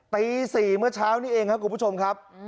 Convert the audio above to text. ตี๔เมื่อเช้านี้เองครับคุณผู้ชมครับ